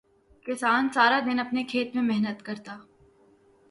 کسان سارا دن اپنے کھیت میں محنت کرتا